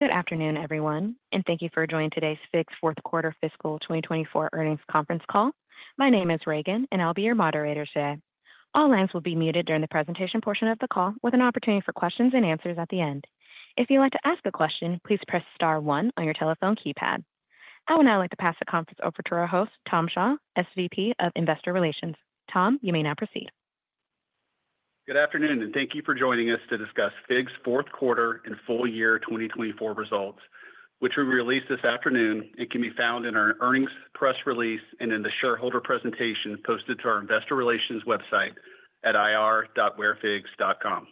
Good afternoon, everyone, and thank you for joining today's FIGS Fourth Quarter Fiscal 2024 Earnings Conference Call. My name is Reagan, and I'll be your moderator today. All lines will be muted during the presentation portion of the call, with an opportunity for questions and answers at the end. If you'd like to ask a question, please press star one on your telephone keypad. I would now like to pass the conference over to our host, Tom Shaw, SVP of Investor Relations. Tom, you may now proceed. Good afternoon, and thank you for joining us to discuss FIGS Fourth Quarter and Full Year 2024 Results, which we released this afternoon and can be found in our earnings press release and in the shareholder presentation posted to our Investor Relations website at ir.wearfigs.com.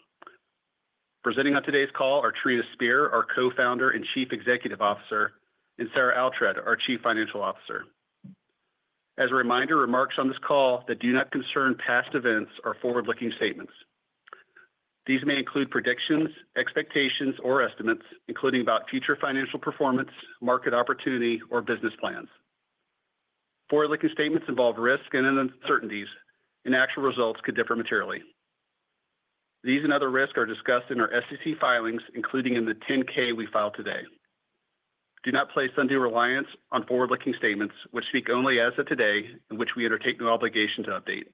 Presenting on today's call are Trina Spear, our Co-founder and Chief Executive Officer, and Sarah Oughtred, our Chief Financial Officer. As a reminder, remarks on this call do not concern past events or forward-looking statements. These may include predictions, expectations, or estimates, including about future financial performance, market opportunity, or business plans. Forward-looking statements involve risk and uncertainties, and actual results could differ materially. These and other risks are discussed in our SEC filings, including in the 10-K we filed today. Do not place undue reliance on forward-looking statements, which speak only as of today, in which we undertake no obligation to update.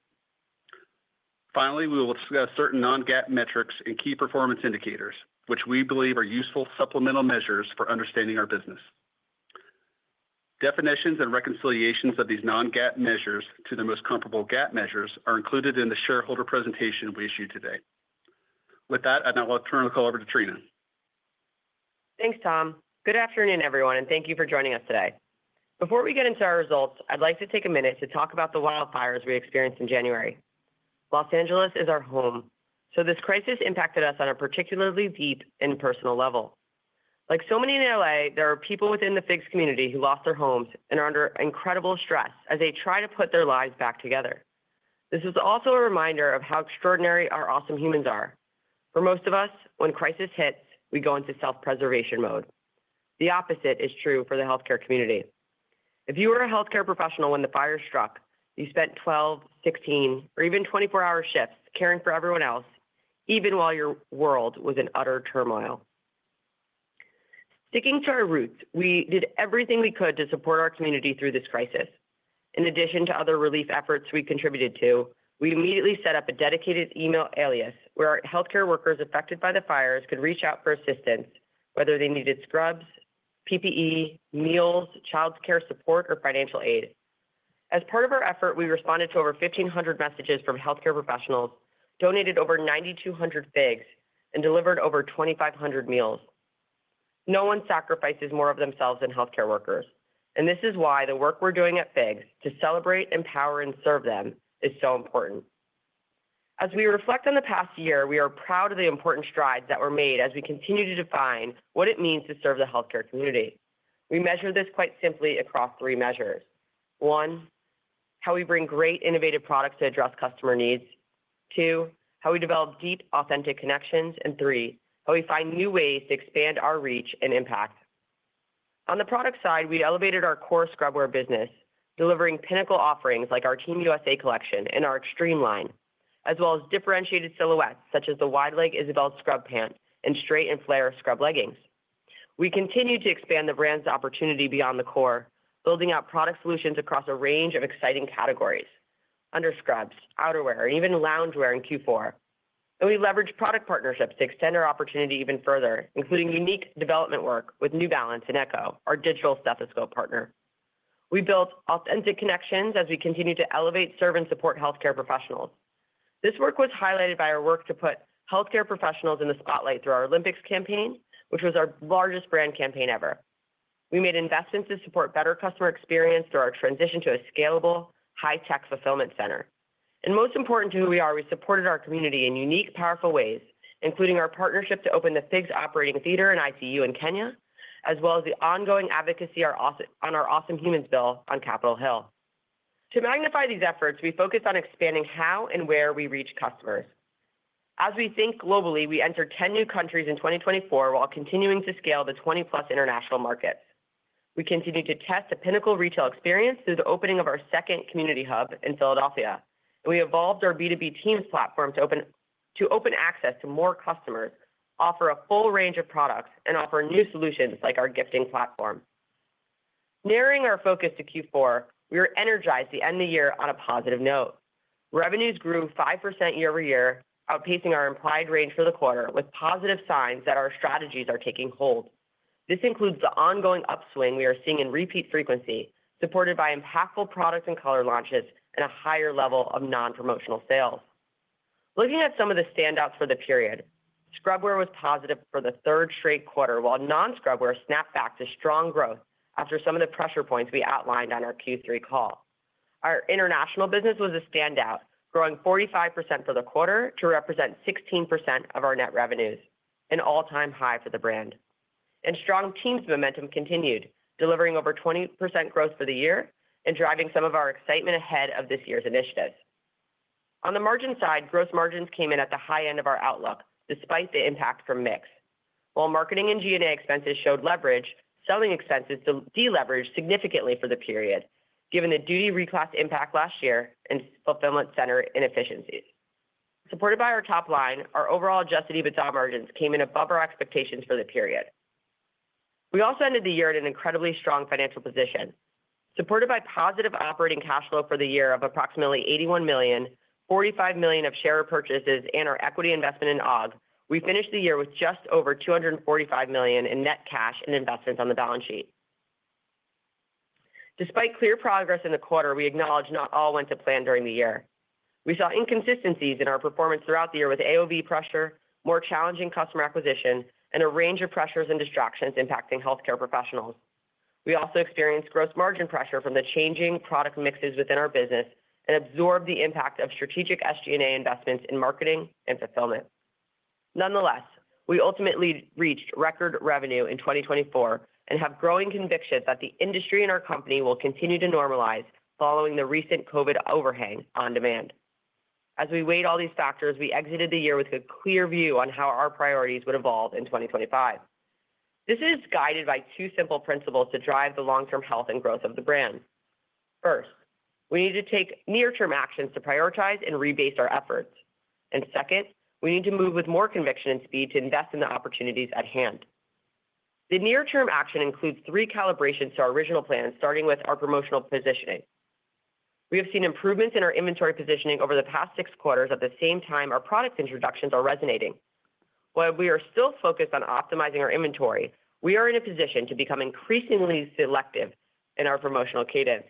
Finally, we will discuss certain non-GAAP metrics and key performance indicators, which we believe are useful supplemental measures for understanding our business. Definitions and reconciliations of these non-GAAP measures to the most comparable GAAP measures are included in the shareholder presentation we issued today. With that, I'd now like to turn the call over to Trina. Thanks, Tom. Good afternoon, everyone, and thank you for joining us today. Before we get into our results, I'd like to take a minute to talk about the wildfires we experienced in January. Los Angeles is our home, so this crisis impacted us on a particularly deep and personal level. Like so many in LA, there are people within the FIGS community who lost their homes and are under incredible stress as they try to put their lives back together. This is also a reminder of how extraordinary our awesome humans are. For most of us, when crisis hits, we go into self-preservation mode. The opposite is true for the healthcare community. If you were a healthcare professional when the fire struck, you spent 12, 16, or even 24-hour shifts caring for everyone else, even while your world was in utter turmoil. Sticking to our roots, we did everything we could to support our community through this crisis. In addition to other relief efforts we contributed to, we immediately set up a dedicated email alias where healthcare workers affected by the fires could reach out for assistance, whether they needed scrubs, PPE, meals, childcare support, or financial aid. As part of our effort, we responded to over 1,500 messages from healthcare professionals, donated over 9,200 FIGS, and delivered over 2,500 meals. No one sacrifices more of themselves than healthcare workers, and this is why the work we're doing at FIGS to celebrate, empower, and serve them is so important. As we reflect on the past year, we are proud of the important strides that were made as we continue to define what it means to serve the healthcare community. We measure this quite simply across three measures. One, how we bring great innovative products to address customer needs. Two, how we develop deep, authentic connections. Three, how we find new ways to expand our reach and impact. On the product side, we elevated our core scrubwear business, delivering pinnacle offerings like our Team USA collection and our Extreme line, as well as differentiated silhouettes such as the Wide Leg Isabel Scrub Pant and Straight and Flare Scrub Leggings. We continue to expand the brand's opportunity beyond the core, building out product solutions across a range of exciting categories under scrubs, outerwear, and even loungewear in Q4. We leverage product partnerships to extend our opportunity even further, including unique development work with New Balance and Eko, our digital stethoscope partner. We built authentic connections as we continue to elevate, serve, and support healthcare professionals. This work was highlighted by our work to put healthcare professionals in the spotlight through our Olympics campaign, which was our largest brand campaign ever. We made investments to support better customer experience through our transition to a scalable, high-tech fulfillment center. Most important to who we are, we supported our community in unique, powerful ways, including our partnership to open the FIGS operating theater and ICU in Kenya, as well as the ongoing advocacy on our Awesome Humans bill on Capitol Hill. To magnify these efforts, we focused on expanding how and where we reach customers. As we think globally, we entered 10 new countries in 2024 while continuing to scale to 20+ international markets. We continue to test the pinnacle retail experience through the opening of our second community hub in Philadelphia, and we evolved our B2B Teams platform to open access to more customers, offer a full range of products, and offer new solutions like our gifting platform. Narrowing our focus to Q4, we were energized at the end of the year on a positive note. Revenues grew 5% year-over-year, outpacing our implied range for the quarter, with positive signs that our strategies are taking hold. This includes the ongoing upswing we are seeing in repeat frequency, supported by impactful product and color launches and a higher level of non-promotional sales. Looking at some of the standouts for the period, scrubwear was positive for the third straight quarter, while non-scrubwear snapped back to strong growth after some of the pressure points we outlined on our Q3 call. Our international business was a standout, growing 45% for the quarter to represent 16% of our net revenues, an all-time high for the brand. Strong Teams momentum continued, delivering over 20% growth for the year and driving some of our excitement ahead of this year's initiatives. On the margin side, gross margins came in at the high end of our outlook, despite the impact from mix. While marketing and G&A expenses showed leverage, selling expenses deleveraged significantly for the period, given the duty reclass impact last year and fulfillment center inefficiencies. Supported by our top line, our overall adjusted EBITDA margins came in above our expectations for the period. We also ended the year in an incredibly strong financial position. Supported by positive operating cash flow for the year of approximately $81 million, $45 million of share purchases, and our equity investment in OG, we finished the year with just over $245 million in net cash and investments on the balance sheet. Despite clear progress in the quarter, we acknowledge not all went to plan during the year. We saw inconsistencies in our performance throughout the year with AOV pressure, more challenging customer acquisition, and a range of pressures and distractions impacting healthcare professionals. We also experienced gross margin pressure from the changing product mixes within our business and absorbed the impact of strategic SG&A investments in marketing and fulfillment. Nonetheless, we ultimately reached record revenue in 2024 and have growing conviction that the industry and our company will continue to normalize following the recent COVID overhang on demand. As we weighed all these factors, we exited the year with a clear view on how our priorities would evolve in 2025. This is guided by two simple principles to drive the long-term health and growth of the brand. First, we need to take near-term actions to prioritize and rebase our efforts. Second, we need to move with more conviction and speed to invest in the opportunities at hand. The near-term action includes three calibrations to our original plan, starting with our promotional positioning. We have seen improvements in our inventory positioning over the past six quarters at the same time our product introductions are resonating. While we are still focused on optimizing our inventory, we are in a position to become increasingly selective in our promotional cadence.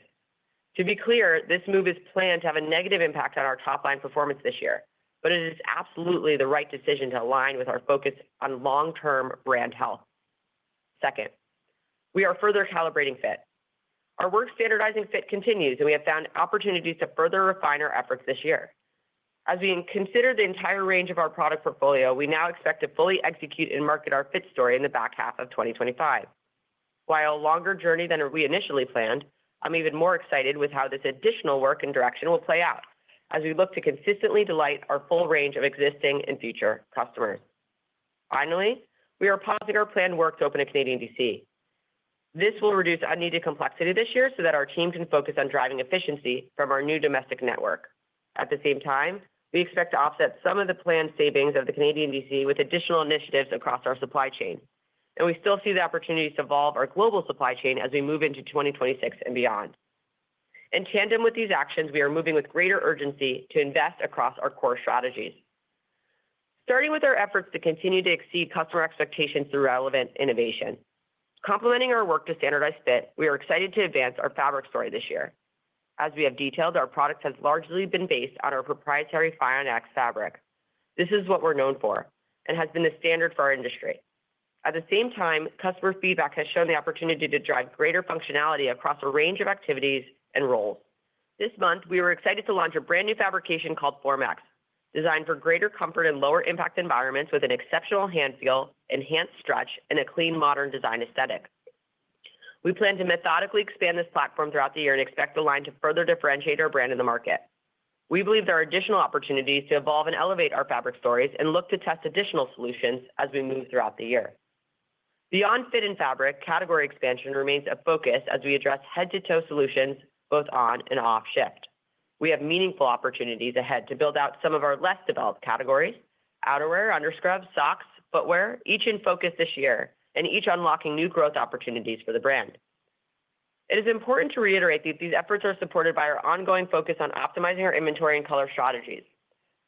To be clear, this move is planned to have a negative impact on our top-line performance this year, but it is absolutely the right decision to align with our focus on long-term brand health. Second, we are further calibrating fit. Our work standardizing fit continues, and we have found opportunities to further refine our efforts this year. As we consider the entire range of our product portfolio, we now expect to fully execute and market our fit story in the back half of 2025. While a longer journey than we initially planned, I'm even more excited with how this additional work and direction will play out as we look to consistently delight our full range of existing and future customers. Finally, we are pausing our planned work to open a Canadian DC. This will reduce unneeded complexity this year so that our team can focus on driving efficiency from our new domestic network. At the same time, we expect to offset some of the planned savings of the Canadian DC with additional initiatives across our supply chain. We still see the opportunities to evolve our global supply chain as we move into 2026 and beyond. In tandem with these actions, we are moving with greater urgency to invest across our core strategies, starting with our efforts to continue to exceed customer expectations through relevant innovation. Complementing our work to standardize fit, we are excited to advance our fabric story this year. As we have detailed, our products have largely been based on our proprietary FIONx Fabric. This is what we're known for and has been the standard for our industry. At the same time, customer feedback has shown the opportunity to drive greater functionality across a range of activities and roles. This month, we were excited to launch a brand new fabrication called FORMx, designed for greater comfort in lower-impact environments with an exceptional hand feel, enhanced stretch, and a clean, modern design aesthetic. We plan to methodically expand this platform throughout the year and expect the line to further differentiate our brand in the market. We believe there are additional opportunities to evolve and elevate our fabric stories and look to test additional solutions as we move throughout the year. Beyond fit and fabric, category expansion remains a focus as we address head-to-toe solutions both on and off shift. We have meaningful opportunities ahead to build out some of our less developed categories: outerwear, underscrubs, socks, footwear, each in focus this year and each unlocking new growth opportunities for the brand. It is important to reiterate that these efforts are supported by our ongoing focus on optimizing our inventory and color strategies.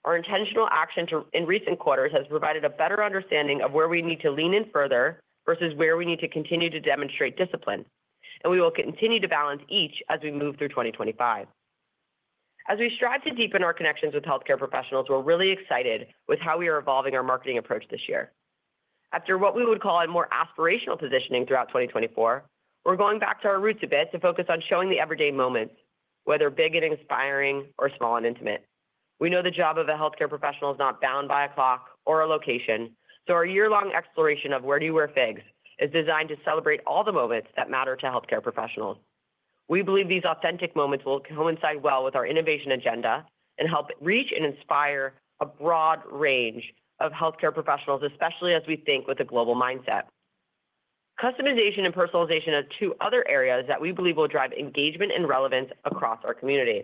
Our intentional action in recent quarters has provided a better understanding of where we need to lean in further versus where we need to continue to demonstrate discipline. We will continue to balance each as we move through 2025. As we strive to deepen our connections with healthcare professionals, we're really excited with how we are evolving our marketing approach this year. After what we would call a more aspirational positioning throughout 2024, we're going back to our roots a bit to focus on showing the everyday moments, whether big and inspiring or small and intimate. We know the job of a healthcare professional is not bound by a clock or a location, so our year-long exploration of "Where do you wear FIGS?" is designed to celebrate all the moments that matter to healthcare professionals. We believe these authentic moments will coincide well with our innovation agenda and help reach and inspire a broad range of healthcare professionals, especially as we think with a global mindset. Customization and personalization are two other areas that we believe will drive engagement and relevance across our community.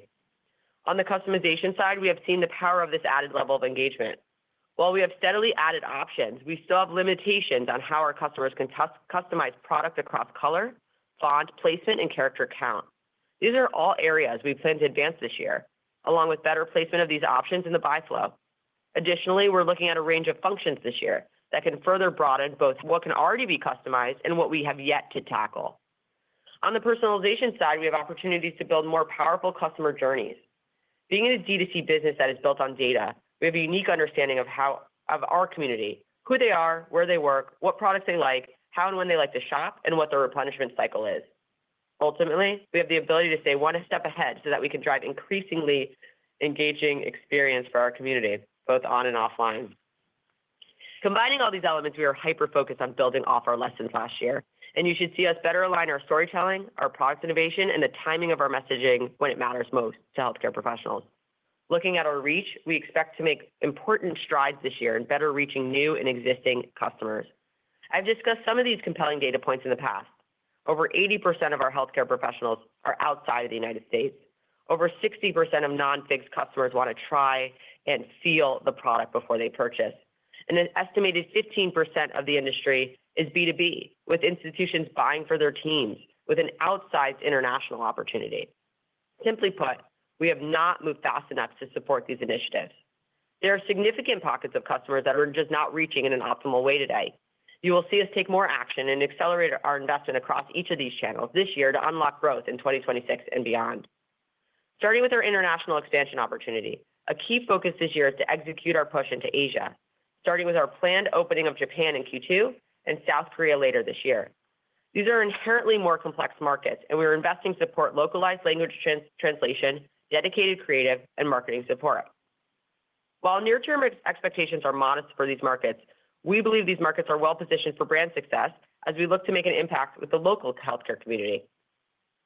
On the customization side, we have seen the power of this added level of engagement. While we have steadily added options, we still have limitations on how our customers can customize product across color, font placement, and character count. These are all areas we plan to advance this year, along with better placement of these options in the buy flow. Additionally, we're looking at a range of functions this year that can further broaden both what can already be customized and what we have yet to tackle. On the personalization side, we have opportunities to build more powerful customer journeys. Being in a D2C business that is built on data, we have a unique understanding of our community, who they are, where they work, what products they like, how and when they like to shop, and what their replenishment cycle is. Ultimately, we have the ability to stay one step ahead so that we can drive an increasingly engaging experience for our community, both on and offline. Combining all these elements, we are hyper-focused on building off our lessons last year, and you should see us better align our storytelling, our product innovation, and the timing of our messaging when it matters most to healthcare professionals. Looking at our reach, we expect to make important strides this year in better reaching new and existing customers. I've discussed some of these compelling data points in the past. Over 80% of our healthcare professionals are outside of the United States. Over 60% of non-FIGS customers want to try and feel the product before they purchase. An estimated 15% of the industry is B2B, with institutions buying for their teams, with an outsized international opportunity. Simply put, we have not moved fast enough to support these initiatives. There are significant pockets of customers that are just not reaching in an optimal way today. You will see us take more action and accelerate our investment across each of these channels this year to unlock growth in 2026 and beyond. Starting with our international expansion opportunity, a key focus this year is to execute our push into Asia, starting with our planned opening of Japan in Q2 and South Korea later this year. These are inherently more complex markets, and we are investing to support localized language translation, dedicated creative, and marketing support. While near-term expectations are modest for these markets, we believe these markets are well-positioned for brand success as we look to make an impact with the local healthcare community.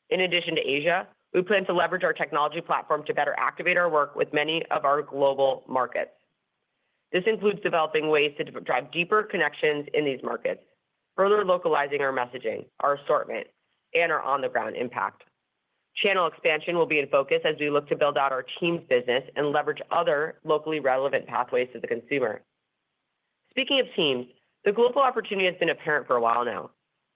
In addition to Asia, we plan to leverage our technology platform to better activate our work with many of our global markets. This includes developing ways to drive deeper connections in these markets, further localizing our messaging, our assortment, and our on-the-ground impact. Channel expansion will be in focus as we look to build out our Teams business and leverage other locally relevant pathways to the consumer. Speaking of Teams, the global opportunity has been apparent for a while now.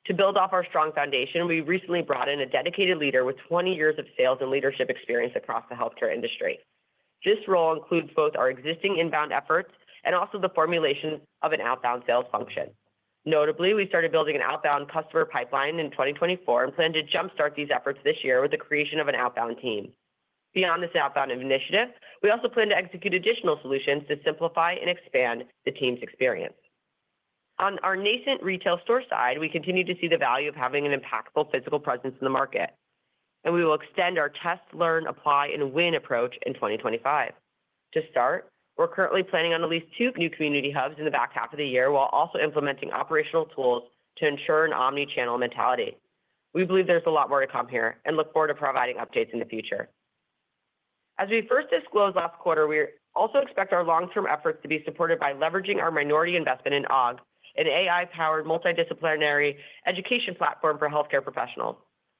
To build off our strong foundation, we recently brought in a dedicated leader with 20 years of sales and leadership experience across the healthcare industry. This role includes both our existing inbound efforts and also the formulation of an outbound sales function. Notably, we started building an outbound customer pipeline in 2024 and plan to jump-start these efforts this year with the creation of an outbound team. Beyond this outbound initiative, we also plan to execute additional solutions to simplify and expand the Teams experience. On our nascent retail store side, we continue to see the value of having an impactful physical presence in the market. We will extend our test, learn, apply, and win approach in 2025. To start, we're currently planning to lease two new community hubs in the back half of the year while also implementing operational tools to ensure an omnichannel mentality. We believe there's a lot more to come here and look forward to providing updates in the future. As we first disclosed last quarter, we also expect our long-term efforts to be supported by leveraging our minority investment in OG, an AI-powered multidisciplinary education platform for healthcare professionals.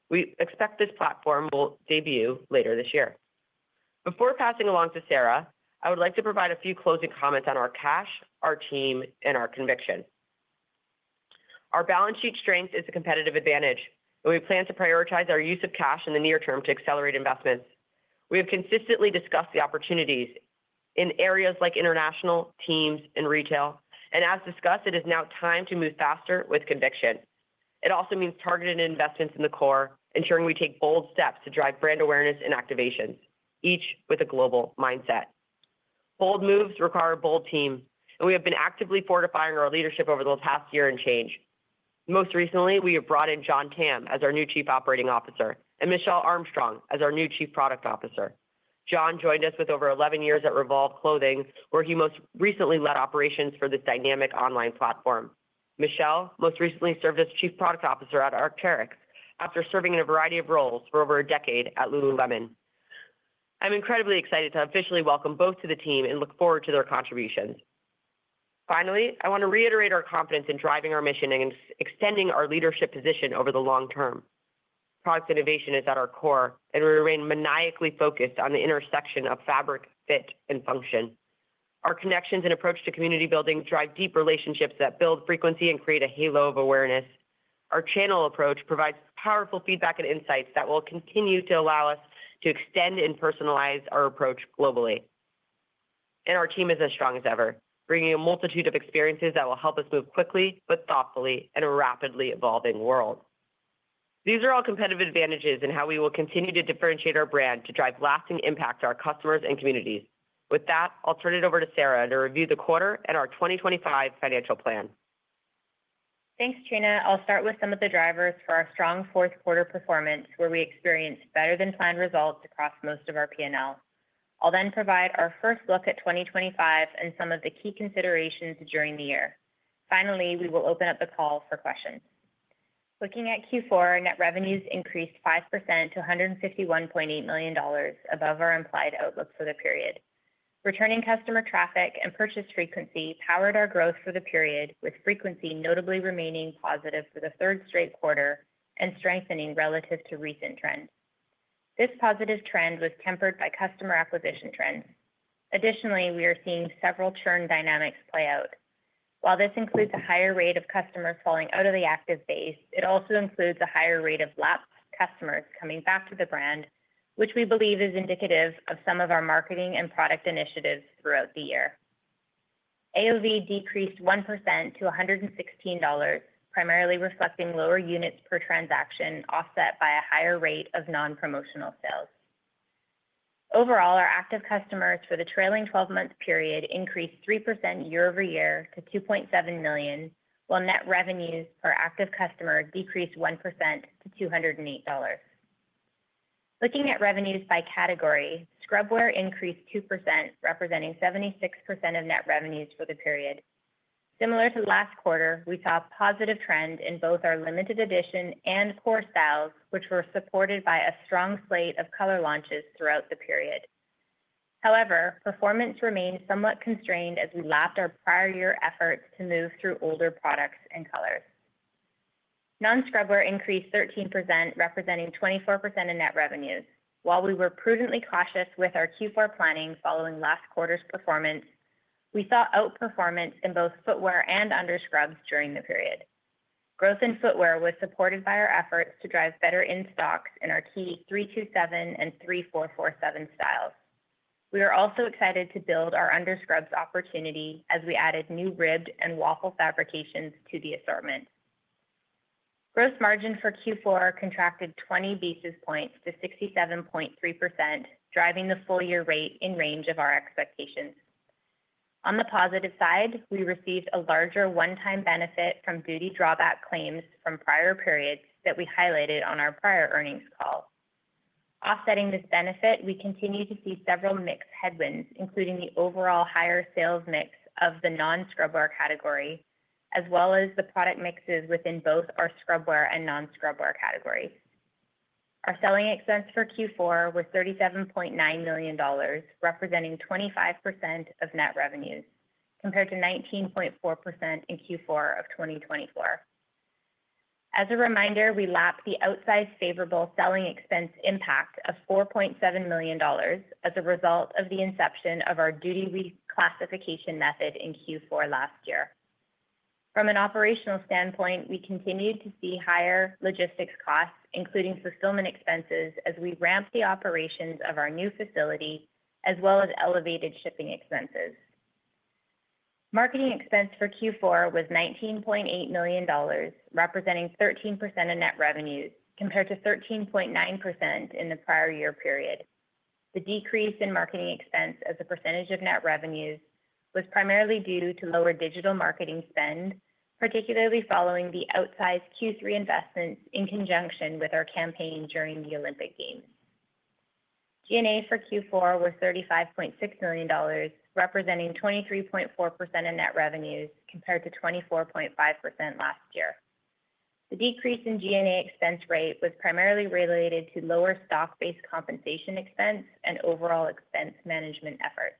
We expect this platform will debut later this year. Before passing along to Sarah, I would like to provide a few closing comments on our cash, our team, and our conviction. Our balance sheet strength is a competitive advantage, and we plan to prioritize our use of cash in the near term to accelerate investments. We have consistently discussed the opportunities in areas like international, Teams, and retail. As discussed, it is now time to move faster with conviction. It also means targeted investments in the core, ensuring we take bold steps to drive brand awareness and activations, each with a global mindset. Bold moves require a bold team, and we have been actively fortifying our leadership over the past year and change. Most recently, we have brought in Jon Tamm as our new Chief Operating Officer and Michelle Armstrong as our new Chief Product Officer. Jon joined us with over 11 years at Revolve Clothing, where he most recently led operations for this dynamic online platform. Michelle most recently served as Chief Product Officer at Arc'teryx after serving in a variety of roles for over a decade at Lululemon. I'm incredibly excited to officially welcome both to the team and look forward to their contributions. Finally, I want to reiterate our confidence in driving our mission and extending our leadership position over the long term. Product innovation is at our core, and we remain maniacally focused on the intersection of fabric, fit, and function. Our connections and approach to community building drive deep relationships that build frequency and create a halo of awareness. Our channel approach provides powerful feedback and insights that will continue to allow us to extend and personalize our approach globally. Our team is as strong as ever, bringing a multitude of experiences that will help us move quickly, but thoughtfully, in a rapidly evolving world. These are all competitive advantages in how we will continue to differentiate our brand to drive lasting impact to our customers and communities. With that, I'll turn it over to Sarah to review the quarter and our 2025 financial plan. Thanks, Trina. I'll start with some of the drivers for our strong fourth-quarter performance, where we experienced better-than-planned results across most of our P&L. I'll then provide our first look at 2025 and some of the key considerations during the year. Finally, we will open up the call for questions. Looking at Q4, net revenues increased 5% to $151.8 million above our implied outlook for the period. Returning customer traffic and purchase frequency powered our growth for the period, with frequency notably remaining positive for the third straight quarter and strengthening relative to recent trends. This positive trend was tempered by customer acquisition trends. Additionally, we are seeing several churn dynamics play out. While this includes a higher rate of customers falling out of the active base, it also includes a higher rate of lapsed customers coming back to the brand, which we believe is indicative of some of our marketing and product initiatives throughout the year. AOV decreased 1% to $116, primarily reflecting lower units per transaction offset by a higher rate of non-promotional sales. Overall, our active customers for the trailing 12-month period increased 3% year-over-year to 2.7 million, while net revenues per active customer decreased 1% to $208. Looking at revenues by category, scrubwear increased 2%, representing 76% of net revenues for the period. Similar to last quarter, we saw a positive trend in both our limited edition and core sales, which were supported by a strong slate of color launches throughout the period. However, performance remained somewhat constrained as we lapped our prior year efforts to move through older products and colors. Non-scrubwear increased 13%, representing 24% of net revenues. While we were prudently cautious with our Q4 planning following last quarter's performance, we saw outperformance in both footwear and underscrubs during the period. Growth in footwear was supported by our efforts to drive better in-stocks in our key 327 and 3447 styles. We are also excited to build our underscrubs opportunity as we added new ribbed and waffle fabrications to the assortment. Gross margin for Q4 contracted 20 basis points to 67.3%, driving the full-year rate in range of our expectations. On the positive side, we received a larger one-time benefit from duty drawback claims from prior periods that we highlighted on our prior earnings call. Offsetting this benefit, we continue to see several mixed headwinds, including the overall higher sales mix of the non-scrubwear category, as well as the product mixes within both our scrubwear and non-scrubwear categories. Our selling expense for Q4 was $37.9 million, representing 25% of net revenues, compared to 19.4% in Q4 of 2024. As a reminder, we lapped the outsized favorable selling expense impact of $4.7 million as a result of the inception of our duty reclassification method in Q4 last year. From an operational standpoint, we continued to see higher logistics costs, including fulfillment expenses, as we ramped the operations of our new facility, as well as elevated shipping expenses. Marketing expense for Q4 was $19.8 million, representing 13% of net revenues, compared to 13.9% in the prior year period. The decrease in marketing expense as a percentage of net revenues was primarily due to lower digital marketing spend, particularly following the outsized Q3 investments in conjunction with our campaign during the Olympic Games. G&A for Q4 was $35.6 million, representing 23.4% of net revenues, compared to 24.5% last year. The decrease in G&A expense rate was primarily related to lower stock-based compensation expense and overall expense management efforts.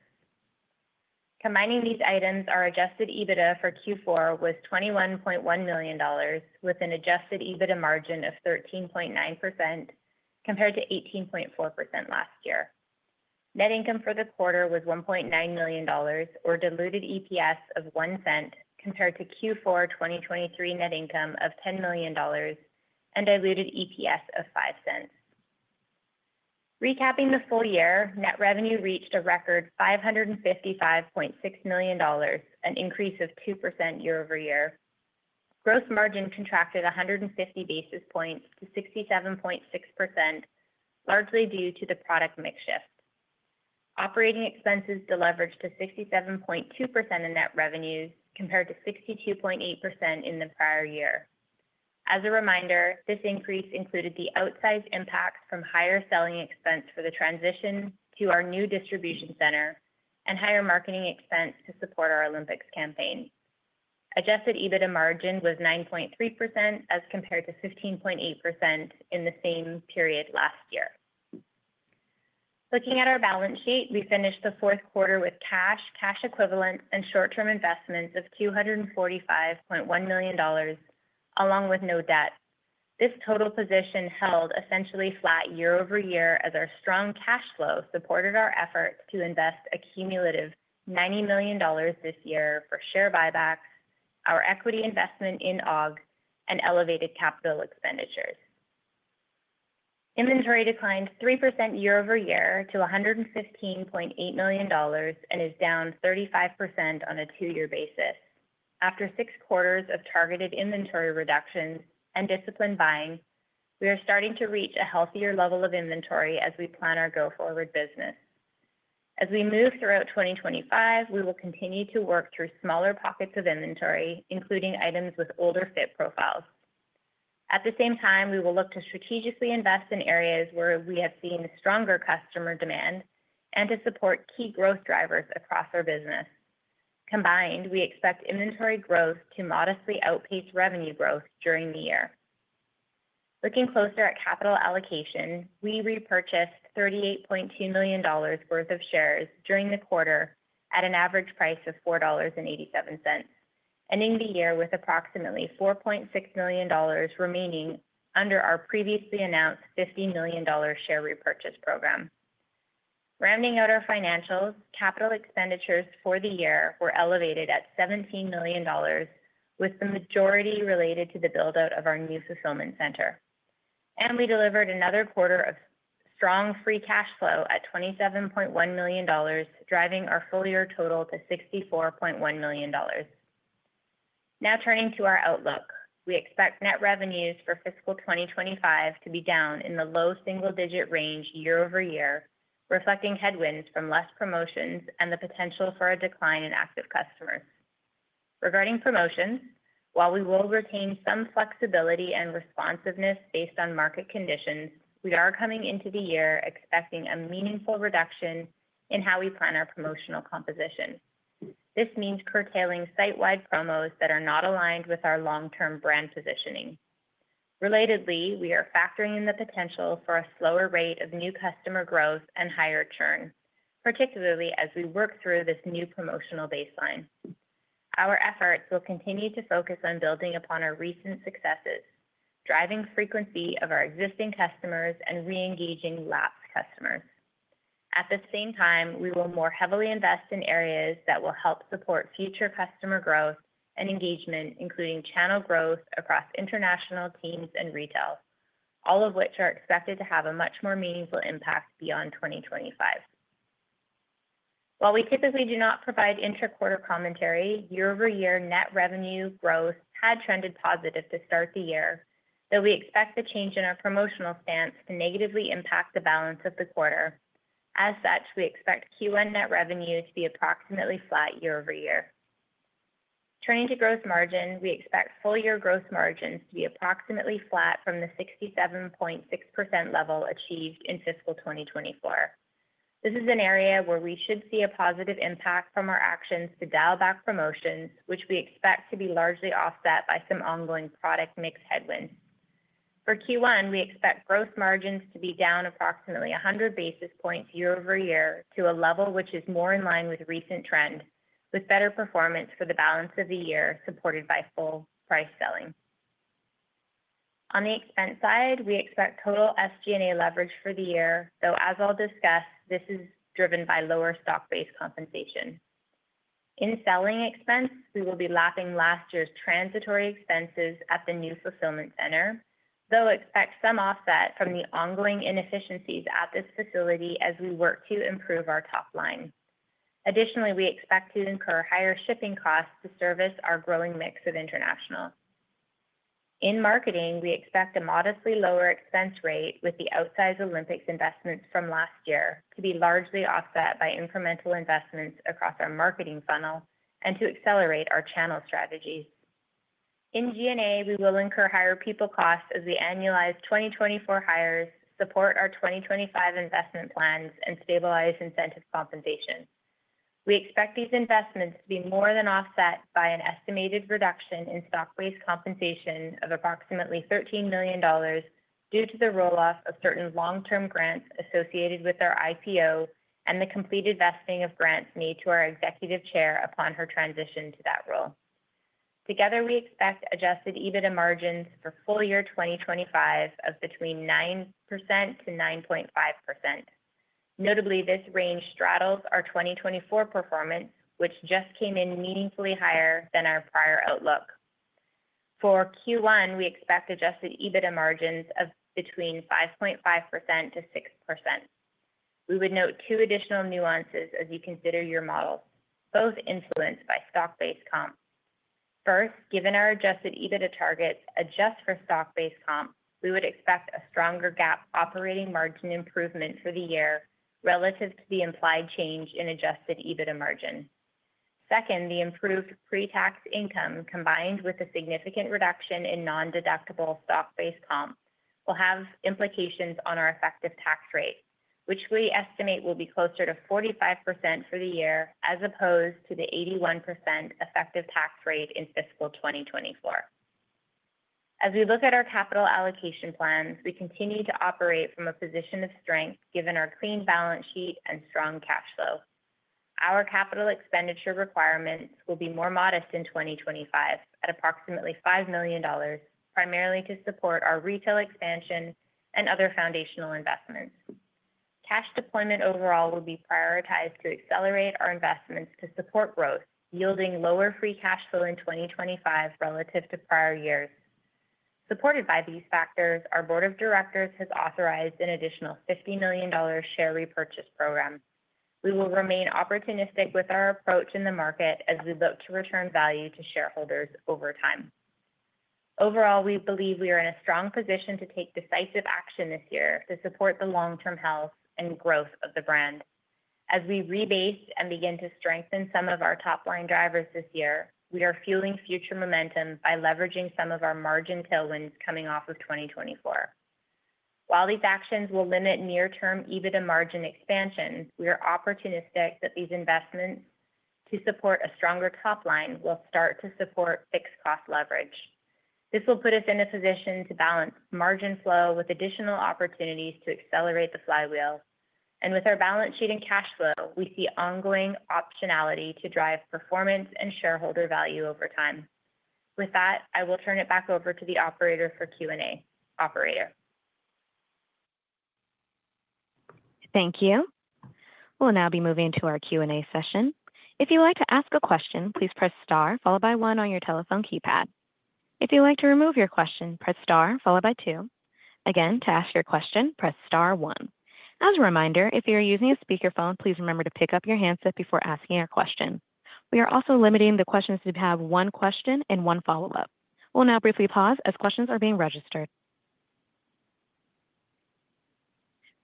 Combining these items, our adjusted EBITDA for Q4 was $21.1 million, with an adjusted EBITDA margin of 13.9%, compared to 18.4% last year. Net income for the quarter was $1.9 million, or diluted EPS of $0.01, compared to Q4 2023 net income of $10 million and diluted EPS of $0.05. Recapping the full year, net revenue reached a record $555.6 million, an increase of 2% year-over-year. Gross margin contracted 150 basis points to 67.6%, largely due to the product mix shift. Operating expenses deleveraged to 67.2% of net revenues, compared to 62.8% in the prior year. As a reminder, this increase included the outsized impact from higher selling expense for the transition to our new distribution center and higher marketing expense to support our Olympics campaign. Adjusted EBITDA margin was 9.3%, as compared to 15.8% in the same period last year. Looking at our balance sheet, we finished the fourth quarter with cash, cash equivalent, and short-term investments of $245.1 million, along with no debt. This total position held essentially flat year-over-year as our strong cash flow supported our efforts to invest a cumulative $90 million this year for share buybacks, our equity investment in OG, and elevated capital expenditures. Inventory declined 3% year-over-year to $115.8 million and is down 35% on a two-year basis. After six quarters of targeted inventory reductions and disciplined buying, we are starting to reach a healthier level of inventory as we plan our go-forward business. As we move throughout 2025, we will continue to work through smaller pockets of inventory, including items with older fit profiles. At the same time, we will look to strategically invest in areas where we have seen stronger customer demand and to support key growth drivers across our business. Combined, we expect inventory growth to modestly outpace revenue growth during the year. Looking closer at capital allocation, we repurchased $38.2 million worth of shares during the quarter at an average price of $4.87, ending the year with approximately $4.6 million remaining under our previously announced $50 million share repurchase program. Rounding out our financials, capital expenditures for the year were elevated at $17 million, with the majority related to the build-out of our new fulfillment center. We delivered another quarter of strong free cash flow at $27.1 million, driving our full-year total to $64.1 million. Now turning to our outlook, we expect net revenues for fiscal 2025 to be down in the low single-digit range year-over-year, reflecting headwinds from less promotions and the potential for a decline in active customers. Regarding promotions, while we will retain some flexibility and responsiveness based on market conditions, we are coming into the year expecting a meaningful reduction in how we plan our promotional composition. This means curtailing site-wide promos that are not aligned with our long-term brand positioning. Relatedly, we are factoring in the potential for a slower rate of new customer growth and higher churn, particularly as we work through this new promotional baseline. Our efforts will continue to focus on building upon our recent successes, driving frequency of our existing customers and re-engaging lapsed customers. At the same time, we will more heavily invest in areas that will help support future customer growth and engagement, including channel growth across international teams and retail, all of which are expected to have a much more meaningful impact beyond 2025. While we typically do not provide intra-quarter commentary, year-over-year net revenue growth had trended positive to start the year, though we expect the change in our promotional stance to negatively impact the balance of the quarter. As such, we expect Q1 net revenue to be approximately flat year-over-year. Turning to gross margin, we expect full-year gross margins to be approximately flat from the 67.6% level achieved in fiscal 2024. This is an area where we should see a positive impact from our actions to dial back promotions, which we expect to be largely offset by some ongoing product mix headwinds. For Q1, we expect gross margins to be down approximately 100 basis points year-over-year to a level which is more in line with recent trend, with better performance for the balance of the year supported by full-price selling. On the expense side, we expect total SG&A leverage for the year, though, as I'll discuss, this is driven by lower stock-based compensation. In selling expense, we will be lapping last year's transitory expenses at the new fulfillment center, though expect some offset from the ongoing inefficiencies at this facility as we work to improve our top line. Additionally, we expect to incur higher shipping costs to service our growing mix of international. In marketing, we expect a modestly lower expense rate with the outsized Olympics investments from last year to be largely offset by incremental investments across our marketing funnel and to accelerate our channel strategies. In G&A, we will incur higher people costs as we annualize 2024 hires, support our 2025 investment plans, and stabilize incentive compensation. We expect these investments to be more than offset by an estimated reduction in stock-based compensation of approximately $13 million due to the rolloff of certain long-term grants associated with our IPO and the complete vesting of grants made to our executive chair upon her transition to that role. Together, we expect adjusted EBITDA margins for full-year 2025 of between 9%-9.5%. Notably, this range straddles our 2024 performance, which just came in meaningfully higher than our prior outlook. For Q1, we expect adjusted EBITDA margins of between 5.5%-6%. We would note two additional nuances as you consider your model, both influenced by stock-based comp. First, given our adjusted EBITDA targets adjust for stock-based comp, we would expect a stronger GAAP operating margin improvement for the year relative to the implied change in adjusted EBITDA margin. Second, the improved pre-tax income combined with the significant reduction in non-deductible stock-based comp will have implications on our effective tax rate, which we estimate will be closer to 45% for the year as opposed to the 81% effective tax rate in fiscal 2024. As we look at our capital allocation plans, we continue to operate from a position of strength given our clean balance sheet and strong cash flow. Our capital expenditure requirements will be more modest in 2025 at approximately $5 million, primarily to support our retail expansion and other foundational investments. Cash deployment overall will be prioritized to accelerate our investments to support growth, yielding lower free cash flow in 2025 relative to prior years. Supported by these factors, our board of directors has authorized an additional $50 million share repurchase program. We will remain opportunistic with our approach in the market as we look to return value to shareholders over time. Overall, we believe we are in a strong position to take decisive action this year to support the long-term health and growth of the brand. As we rebase and begin to strengthen some of our top line drivers this year, we are fueling future momentum by leveraging some of our margin tailwinds coming off of 2024. While these actions will limit near-term EBITDA margin expansion, we are opportunistic that these investments to support a stronger top line will start to support fixed cost leverage. This will put us in a position to balance margin flow with additional opportunities to accelerate the flywheel. With our balance sheet and cash flow, we see ongoing optionality to drive performance and shareholder value over time. With that, I will turn it back over to the operator for Q&A, Operator. Thank you. We'll now be moving to our Q&A session. If you'd like to ask a question, please press star followed by one on your telephone keypad. If you'd like to remove your question, press star followed by two. Again, to ask your question, press star one. As a reminder, if you're using a speakerphone, please remember to pick up your handset before asking a question. We are also limiting the questions to have one question and one follow-up. We'll now briefly pause as questions are being registered.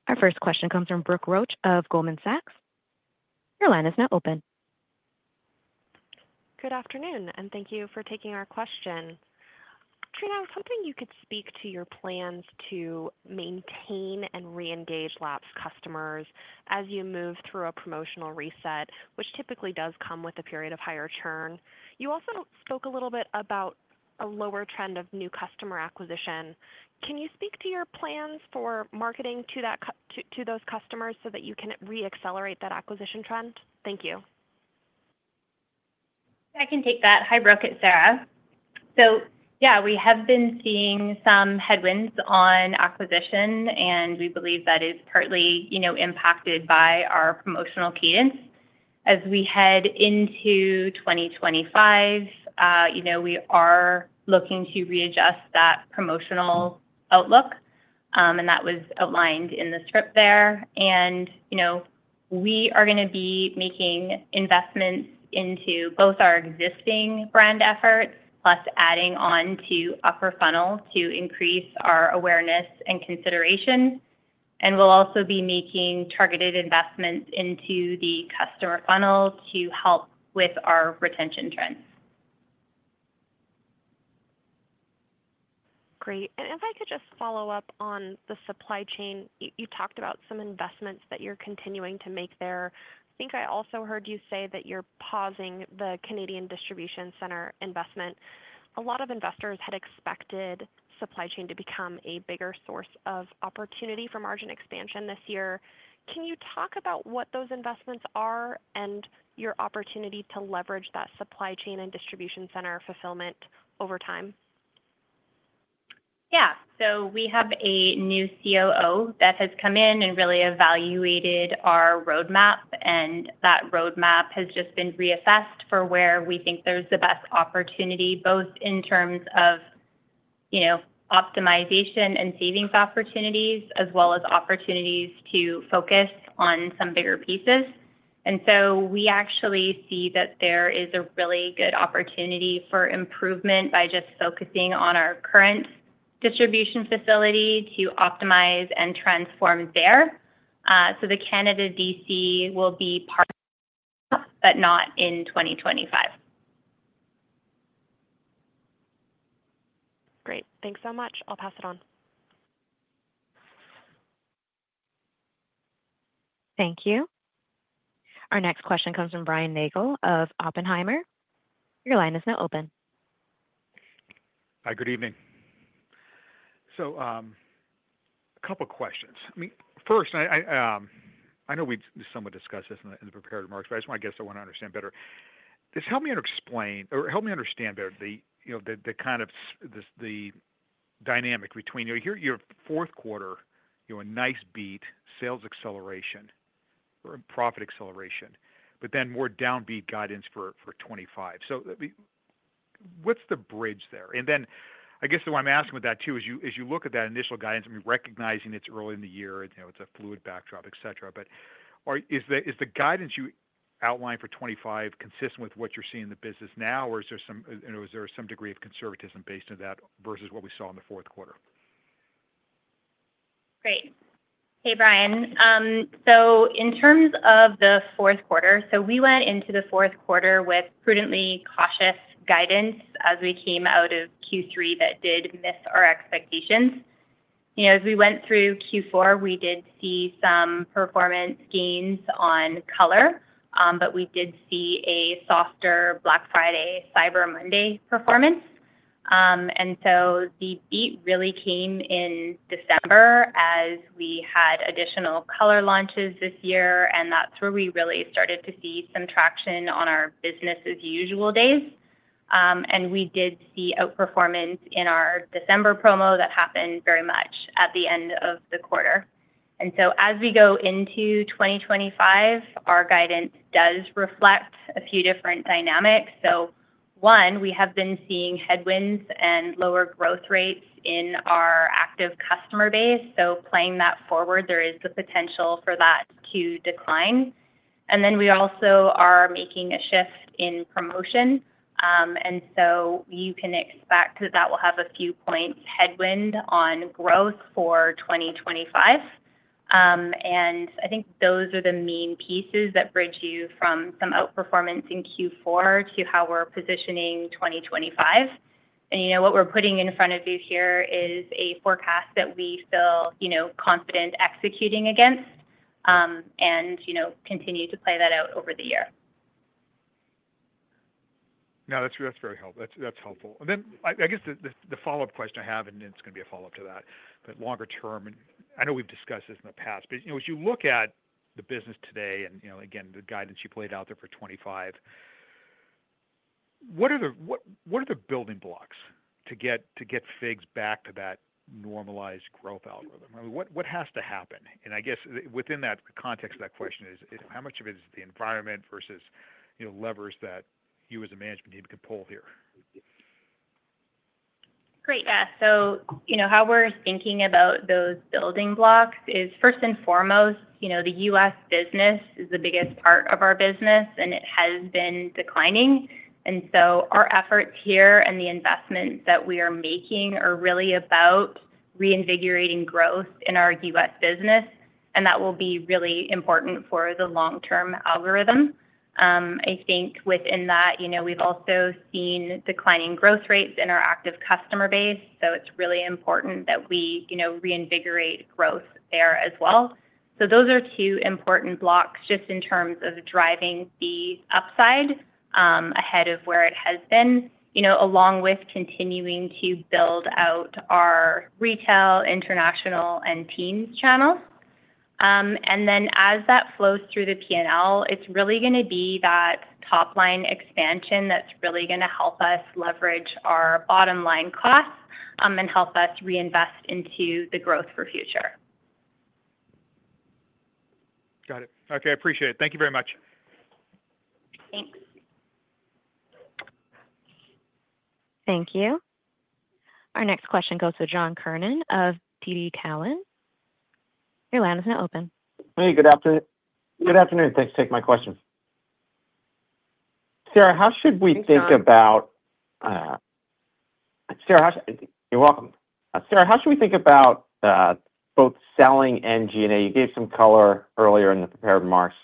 Our first question comes from Brooke Roach of Goldman Sachs. Your line is now open. Good afternoon, and thank you for taking our question. Trina, I was hoping you could speak to your plans to maintain and re-engage lapsed customers as you move through a promotional reset, which typically does come with a period of higher churn. You also spoke a little bit about a lower trend of new customer acquisition. Can you speak to your plans for marketing to those customers so that you can re-accelerate that acquisition trend? Thank you. I can take that. Hi, Brooke, it's Sarah. Yeah, we have been seeing some headwinds on acquisition, and we believe that is partly impacted by our promotional cadence. As we head into 2025, we are looking to readjust that promotional outlook, and that was outlined in the script there. We are going to be making investments into both our existing brand efforts plus adding on to upper funnel to increase our awareness and consideration. We will also be making targeted investments into the customer funnel to help with our retention trends. Great. If I could just follow up on the supply chain, you talked about some investments that you're continuing to make there. I think I also heard you say that you're pausing the Canadian distribution center investment. A lot of investors had expected supply chain to become a bigger source of opportunity for margin expansion this year. Can you talk about what those investments are and your opportunity to leverage that supply chain and distribution center fulfillment over time? Yeah. We have a new COO that has come in and really evaluated our roadmap. That roadmap has just been reassessed for where we think there's the best opportunity, both in terms of optimization and savings opportunities, as well as opportunities to focus on some bigger pieces. We actually see that there is a really good opportunity for improvement by just focusing on our current distribution facility to optimize and transform there. The Canada DC will be part of that, but not in 2025. Great. Thanks so much. I'll pass it on. Thank you. Our next question comes from Brian Nagel of Oppenheimer. Your line is now open. Hi, good evening. A couple of questions. I mean, first, I know we somewhat discussed this in the prepared remarks, but I guess I want to understand better. Just help me explain or help me understand better the kind of dynamic between your fourth quarter, a nice beat, sales acceleration, profit acceleration, but then more downbeat guidance for 2025. What's the bridge there? I guess what I'm asking with that too is, as you look at that initial guidance, I mean, recognizing it's early in the year, it's a fluid backdrop, etc., is the guidance you outlined for 2025 consistent with what you're seeing in the business now, or is there some degree of conservatism based on that versus what we saw in the fourth quarter? Great. Hey, Brian. In terms of the fourth quarter, we went into the fourth quarter with prudently cautious guidance as we came out of Q3 that did miss our expectations. As we went through Q4, we did see some performance gains on color, but we did see a softer Black Friday, Cyber Monday performance. The beat really came in December as we had additional color launches this year, and that's where we really started to see some traction on our business-as-usual days. We did see outperformance in our December promo that happened very much at the end of the quarter. As we go into 2025, our guidance does reflect a few different dynamics. One, we have been seeing headwinds and lower growth rates in our active customer base. Playing that forward, there is the potential for that to decline. We also are making a shift in promotion. You can expect that that will have a few points headwind on growth for 2025. I think those are the main pieces that bridge you from some outperformance in Q4 to how we're positioning 2025. What we're putting in front of you here is a forecast that we feel confident executing against and continue to play that out over the year. No, that's very helpful. That's helpful. I guess the follow-up question I have, and it's going to be a follow-up to that, but longer term, and I know we've discussed this in the past, but as you look at the business today and, again, the guidance you played out there for 2025, what are the building blocks to get FIGS back to that normalized growth algorithm? I mean, what has to happen? I guess within that context of that question is, how much of it is the environment versus levers that you as a management team could pull here? Great. Yeah. How we're thinking about those building blocks is, first and foremost, the U.S. business is the biggest part of our business, and it has been declining. Our efforts here and the investments that we are making are really about reinvigorating growth in our U.S. business, and that will be really important for the long-term algorithm. I think within that, we've also seen declining growth rates in our active customer base, so it's really important that we reinvigorate growth there as well. Those are two important blocks just in terms of driving the upside ahead of where it has been, along with continuing to build out our retail, international, and Teams channel. As that flows through the P&L, it's really going to be that top line expansion that's really going to help us leverage our bottom line costs and help us reinvest into the growth for future. Got it. Okay. I appreciate it. Thank you very much. Thanks. Thank you. Our next question goes to John Kernan of TD Cowen. Your line is now open. Hey, good afternoon. Thanks for taking my question. Sarah, how should we think about—Sarah, you're welcome. Sarah, how should we think about both selling and G&A? You gave some color earlier in the prepared remarks.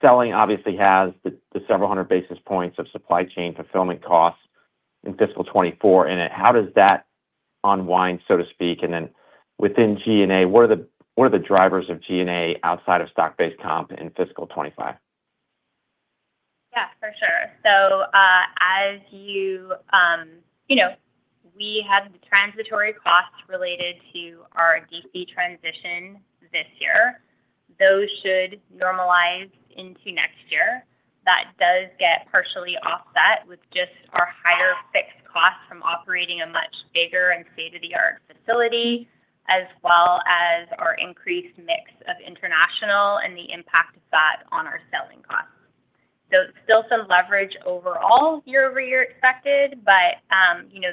Selling obviously has the several hundred basis points of supply chain fulfillment costs in fiscal 2024, and how does that unwind, so to speak? Within G&A, what are the drivers of G&A outside of stock-based comp in fiscal 2025? Yeah, for sure. As you—we had the transitory costs related to our DC transition this year. Those should normalize into next year. That does get partially offset with just our higher fixed costs from operating a much bigger and state-of-the-art facility, as well as our increased mix of international and the impact of that on our selling costs. Still some leverage overall year-over-year expected, but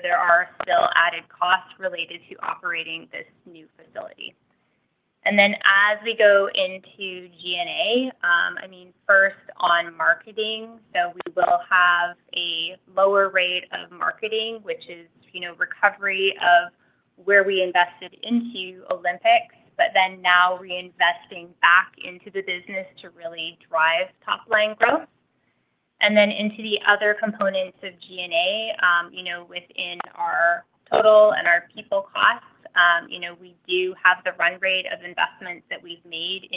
there are still added costs related to operating this new facility. I mean, first on marketing, we will have a lower rate of marketing, which is recovery of where we invested into Olympics, but then now reinvesting back into the business to really drive top-line growth. Into the other components of G&A, within our total and our people costs, we do have the run rate of investments that we've made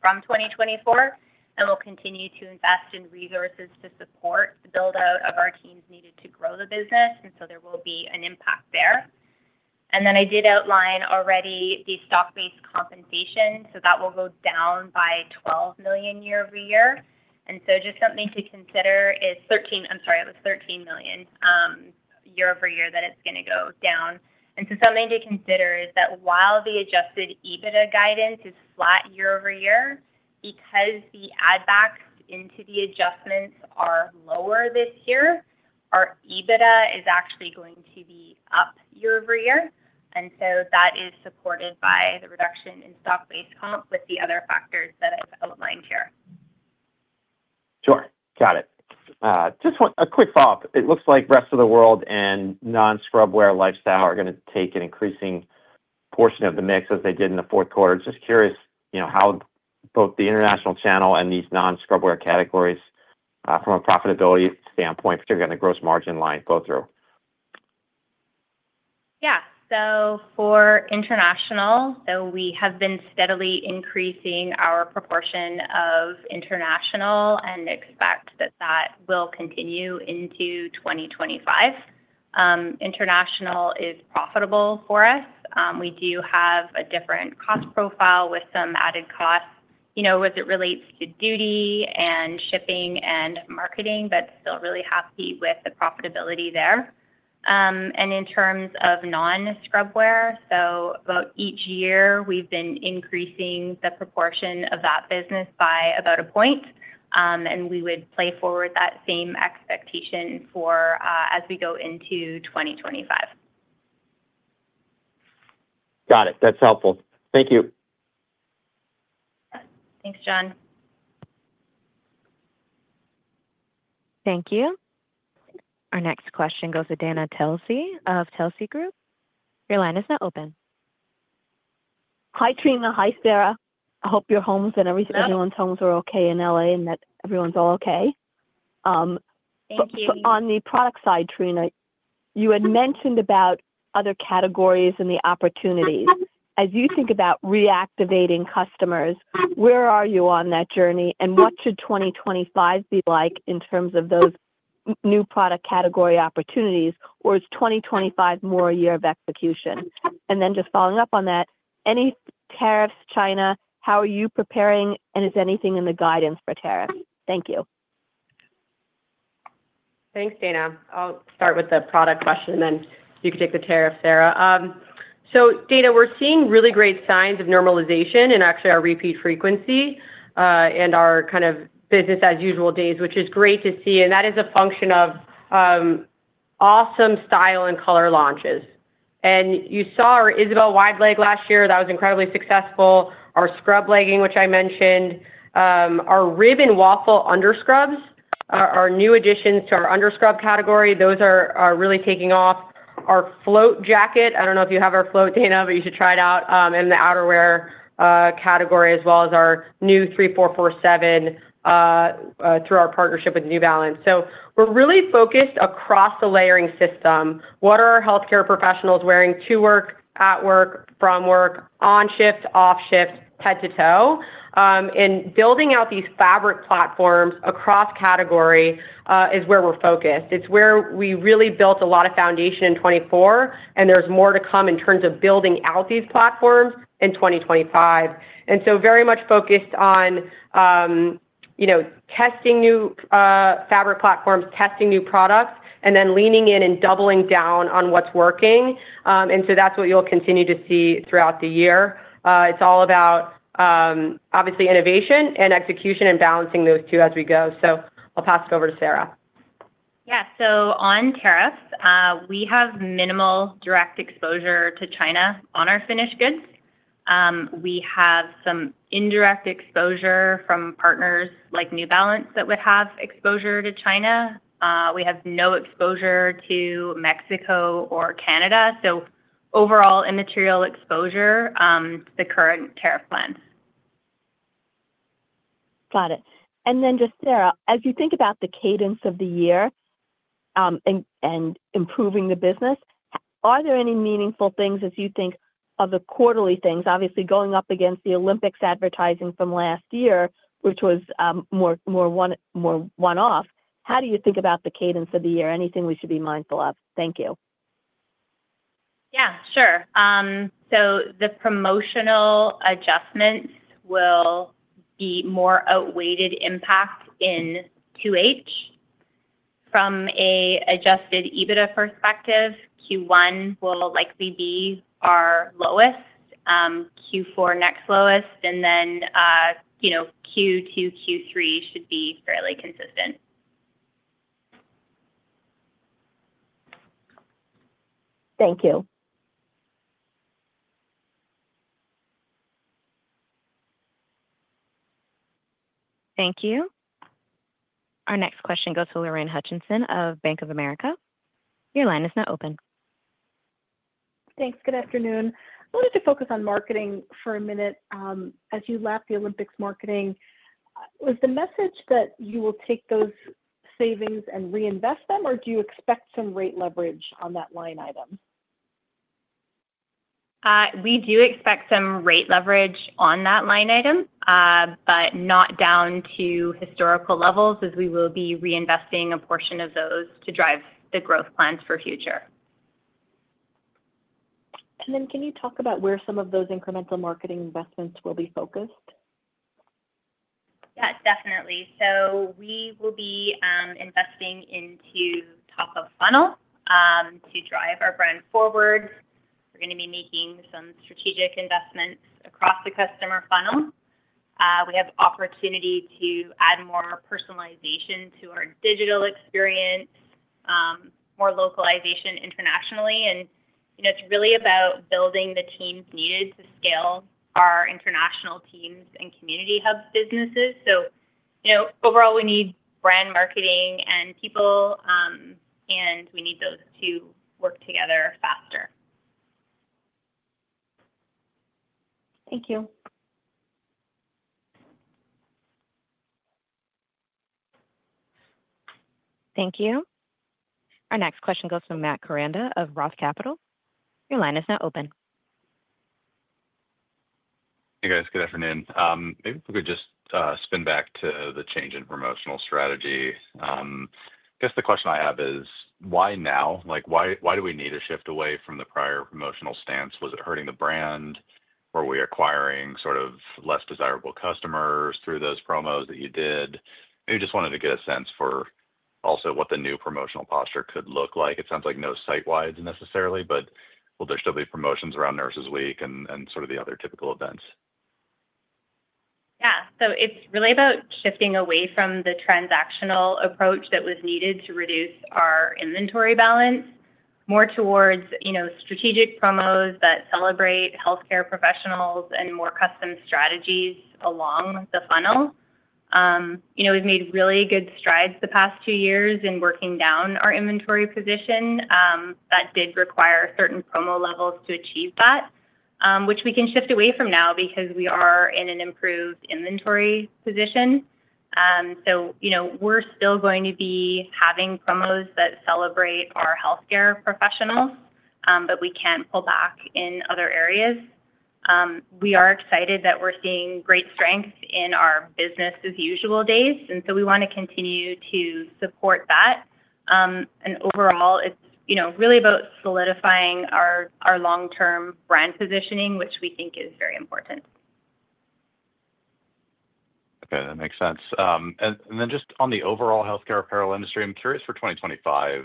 from 2024, and we'll continue to invest in resources to support the build-out of our teams needed to grow the business. There will be an impact there. I did outline already the stock-based compensation, so that will go down by $12 million year-over-year. Just something to consider is 13—I'm sorry, it was $13 million year-over-year that it's going to go down. Something to consider is that while the adjusted EBITDA guidance is flat year-over-year, because the add-backs into the adjustments are lower this year, our EBITDA is actually going to be up year-over-year. That is supported by the reduction in stock-based comp with the other factors that I've outlined here. Sure. Got it. Just a quick follow-up. It looks like the rest of the world and non-scrubwear lifestyle are going to take an increasing portion of the mix as they did in the fourth quarter. Just curious how both the international channel and these non-scrubwear categories from a profitability standpoint, particularly on the gross margin line, go through. Yeah. For international, we have been steadily increasing our proportion of international and expect that that will continue into 2025. International is profitable for us. We do have a different cost profile with some added costs as it relates to duty and shipping and marketing, but still really happy with the profitability there. In terms of non-scrubwear, about each year, we've been increasing the proportion of that business by about a point, and we would play forward that same expectation as we go into 2025. Got it. That's helpful. Thank you. Thanks, John. Thank you. Our next question goes to Dana Telsey of Telsey Group. Your line is now open. Hi, Trina. Hi, Sarah. I hope your homes and everything—everyone's homes are okay in Los Angeles and that everyone's all okay. Thank you. On the product side, Trina, you had mentioned about other categories and the opportunities. As you think about reactivating customers, where are you on that journey, and what should 2025 be like in terms of those new product category opportunities, or is 2025 more a year of execution? Just following up on that, any tariffs, China? How are you preparing, and is anything in the guidance for tariffs? Thank you. Thanks, Dana. I'll start with the product question, and then you can take the tariff, Sarah. Dana, we're seeing really great signs of normalization and actually our repeat frequency and our kind of business-as-usual days, which is great to see. That is a function of awesome style and color launches. You saw our Wide Leg Isabel last year. That was incredibly successful. Our scrub legging, which I mentioned. Our ribbon waffle underscrubs, our new additions to our underscrub category, those are really taking off. Our Float jacket, I do not know if you have our Float, Dana, but you should try it out, and the outerwear category, as well as our new 3447 through our partnership with New Balance. We're really focused across the layering system. What are our healthcare professionals wearing to work, at work, from work, on shift, off shift, head to toe? Building out these fabric platforms across category is where we're focused. It's where we really built a lot of foundation in 2024, and there's more to come in terms of building out these platforms in 2025. Very much focused on testing new fabric platforms, testing new products, and then leaning in and doubling down on what's working. That's what you'll continue to see throughout the year. It's all about, obviously, innovation and execution and balancing those two as we go. I'll pass it over to Sarah. Yeah. On tariffs, we have minimal direct exposure to China on our finished goods. We have some indirect exposure from partners like New Balance that would have exposure to China. We have no exposure to Mexico or Canada. Overall, immaterial exposure to the current tariff plan. Got it. Just, Sarah, as you think about the cadence of the year and improving the business, are there any meaningful things as you think of the quarterly things, obviously going up against the Olympics advertising from last year, which was more one-off? How do you think about the cadence of the year? Anything we should be mindful of? Thank you. Yeah, sure. The promotional adjustments will be more outweighted impact in 2H. From an adjusted EBITDA perspective, Q1 will likely be our lowest, Q4 next lowest, and then Q2, Q3 should be fairly consistent. Thank you. Thank you. Our next question goes to Lorraine Hutchinson of Bank of America. Your line is now open. Thanks. Good afternoon. I wanted to focus on marketing for a minute. As you left the Olympics marketing, was the message that you will take those savings and reinvest them, or do you expect some rate leverage on that line item? We do expect some rate leverage on that line item, but not down to historical levels, as we will be reinvesting a portion of those to drive the growth plans for future. Can you talk about where some of those incremental marketing investments will be focused? Yes, definitely. We will be investing into top-of-funnel to drive our brand forward. We're going to be making some strategic investments across the customer funnel. We have opportunity to add more personalization to our digital experience, more localization internationally. It is really about building the teams needed to scale our international teams and community hub businesses. Overall, we need brand marketing and people, and we need those to work together faster. Thank you. Thank you. Our next question goes to Matt Koranda of ROTH Capital. Your line is now open. Hey, guys. Good afternoon. Maybe if we could just spin back to the change in promotional strategy. I guess the question I have is, why now? Why do we need a shift away from the prior promotional stance? Was it hurting the brand? Were we acquiring sort of less desirable customers through those promos that you did? I just wanted to get a sense for also what the new promotional posture could look like. It sounds like no site-wide necessarily, but will there still be promotions around Nurses Week and sort of the other typical events? Yeah. It is really about shifting away from the transactional approach that was needed to reduce our inventory balance, more towards strategic promos that celebrate healthcare professionals and more custom strategies along the funnel. We've made really good strides the past two years in working down our inventory position. That did require certain promo levels to achieve that, which we can shift away from now because we are in an improved inventory position. We're still going to be having promos that celebrate our healthcare professionals, but we can't pull back in other areas. We are excited that we're seeing great strength in our business-as-usual days, and we want to continue to support that. Overall, it's really about solidifying our long-term brand positioning, which we think is very important. Okay. That makes sense. And then just on the overall healthcare apparel industry, I'm curious for 2025,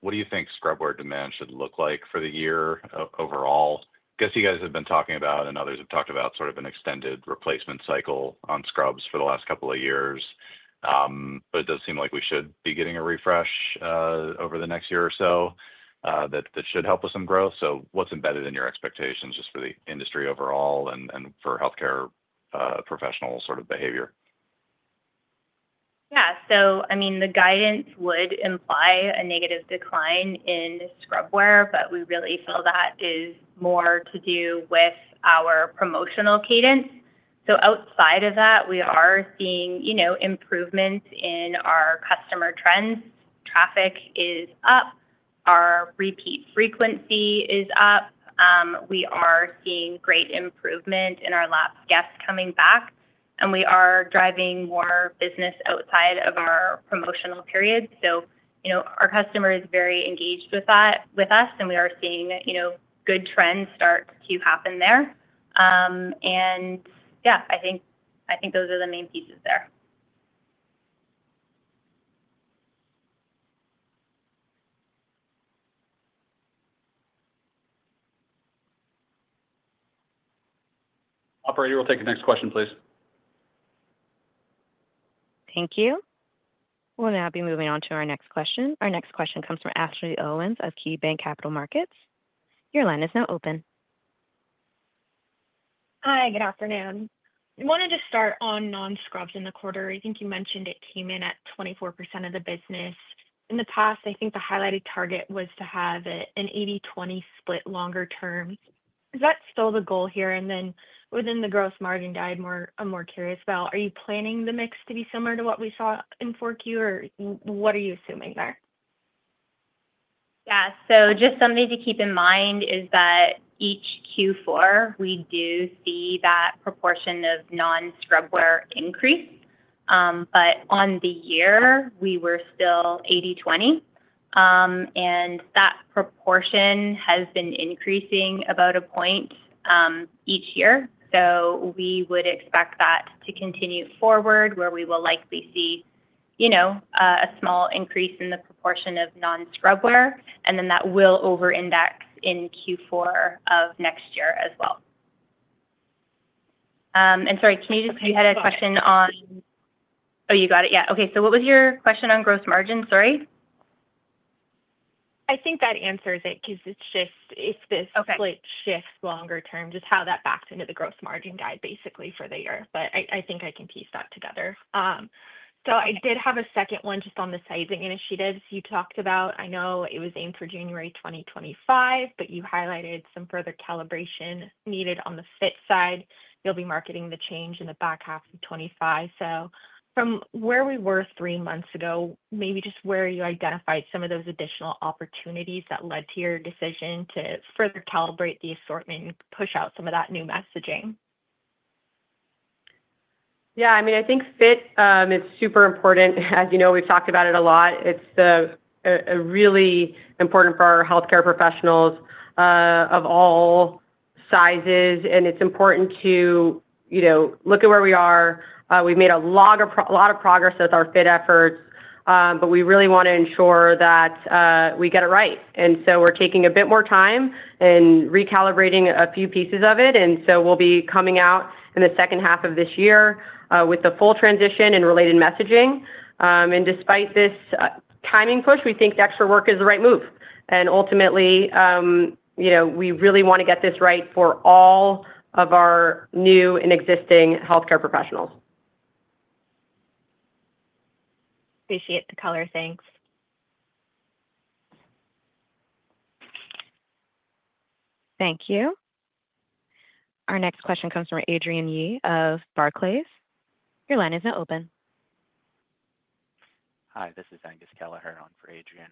what do you think scrubwear demand should look like for the year overall? I guess you guys have been talking about, and others have talked about sort of an extended replacement cycle on scrubs for the last couple of years, but it does seem like we should be getting a refresh over the next year or so that should help with some growth. What's embedded in your expectations just for the industry overall and for healthcare professional sort of behavior? Yeah. I mean, the guidance would imply a negative decline in scrubwear, but we really feel that is more to do with our promotional cadence. Outside of that, we are seeing improvements in our customer trends. Traffic is up. Our repeat frequency is up. We are seeing great improvement in our last guests coming back, and we are driving more business outside of our promotional period. Our customer is very engaged with us, and we are seeing good trends start to happen there. I think those are the main pieces there. Operator, we'll take the next question, please. Thank you. We'll now be moving on to our next question. Our next question comes from Ashley Owens of KeyBanc Capital Markets. Your line is now open. Hi. Good afternoon. I wanted to start on non-scrubs in the quarter. I think you mentioned it came in at 24% of the business. In the past, I think the highlighted target was to have an 80/20 split longer term. Is that still the goal here? Within the gross margin guide, I'm more curious about, are you planning the mix to be similar to what we saw in Q4, or what are you assuming there? Yeah. Just something to keep in mind is that each Q4, we do see that proportion of non-scrubwear increase. On the year, we were still 80/20, and that proportion has been increasing about a point each year. We would expect that to continue forward, where we will likely see a small increase in the proportion of non-scrubwear, and then that will over-index in Q4 of next year as well. Sorry, can you just—I had a question on—Oh, you got it. Yeah. Okay. What was your question on gross margin? Sorry. I think that answers it because it's just if the split shifts longer term, just how that backs into the gross margin guide, basically, for the year. I think I can piece that together. I did have a second one just on the sizing initiatives you talked about. I know it was aimed for January 2025, but you highlighted some further calibration needed on the fit side. You'll be marketing the change in the back half of 2025. From where we were three months ago, maybe just where you identified some of those additional opportunities that led to your decision to further calibrate the assortment and push out some of that new messaging. Yeah. I mean, I think fit is super important. As you know, we've talked about it a lot. It's really important for our healthcare professionals of all sizes, and it's important to look at where we are. We've made a lot of progress with our fit efforts, but we really want to ensure that we get it right. We are taking a bit more time and recalibrating a few pieces of it. We'll be coming out in the second half of this year with the full transition and related messaging. Despite this timing push, we think the extra work is the right move. Ultimately, we really want to get this right for all of our new and existing healthcare professionals. Appreciate the color. Thanks. Thank you. Our next question comes from Adrian Yee of Barclays. Your line is now open. Hi. This is Angus Kelleher-Ferguson for Adrian.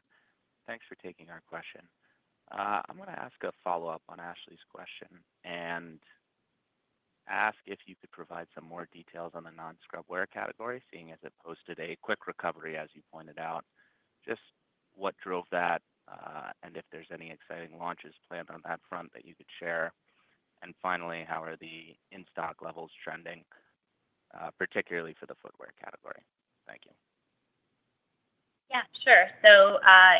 Thanks for taking our question. I'm going to ask a follow-up on Ashley's question and ask if you could provide some more details on the non-scrubwear category, seeing as it posted a quick recovery, as you pointed out. Just what drove that, and if there's any exciting launches planned on that front that you could share. Finally, how are the in-stock levels trending, particularly for the footwear category? Thank you. Yeah, sure.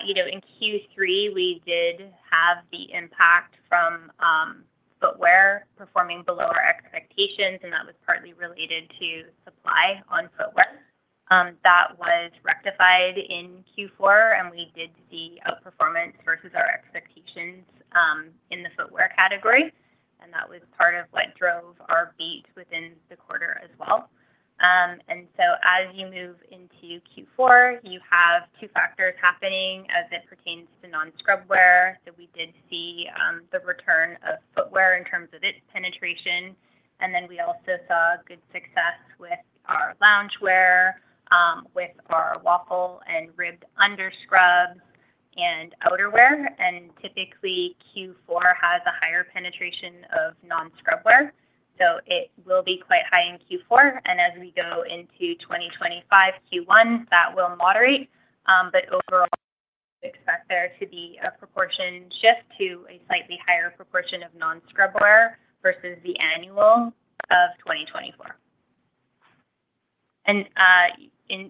In Q3, we did have the impact from footwear performing below our expectations, and that was partly related to supply on footwear. That was rectified in Q4, and we did see outperformance versus our expectations in the footwear category. That was part of what drove our beat within the quarter as well. As you move into Q4, you have two factors happening as it pertains to non-scrubwear. We did see the return of footwear in terms of its penetration. We also saw good success with our loungewear, with our waffle and ribbed underscrubs, and outerwear. Typically, Q4 has a higher penetration of non-scrubwear. It will be quite high in Q4. As we go into 2025 Q1, that will moderate. Overall, we expect there to be a proportion shift to a slightly higher proportion of non-scrubwear versus the annual of 2024.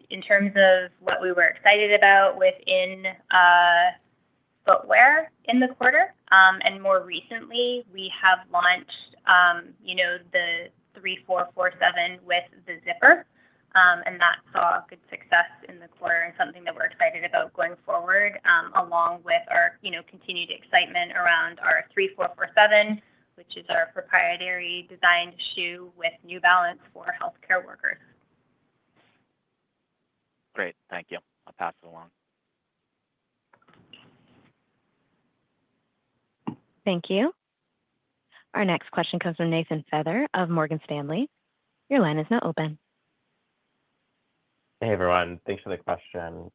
In terms of what we were excited about within footwear in the quarter, and more recently, we have launched the 3447 with the zipper. That saw good success in the quarter and is something that we are excited about going forward, along with our continued excitement around our 3447, which is our proprietary designed shoe with New Balance for healthcare workers. Great. Thank you. I'll pass it along. Thank you. Our next question comes from Nathan Feather of Morgan Stanley. Your line is now open. Hey, everyone. Thanks for the question.